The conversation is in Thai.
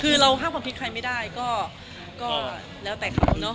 คือเราห้ามความคิดใครไม่ได้ก็แล้วแต่เขาเนาะ